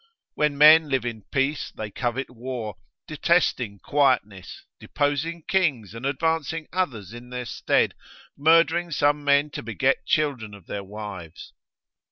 When men live in peace, they covet war, detesting quietness, deposing kings, and advancing others in their stead, murdering some men to beget children of their wives.